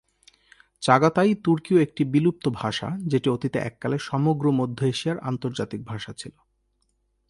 Chagatai তুর্কীয় একটি বিলুপ্ত ভাষা, যেটি অতীতে এককালে সমগ্র মধ্য এশিয়ার আন্তর্জাতিক ভাষা ছিল।